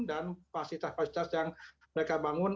dan fasilitas fasilitas yang mereka bangun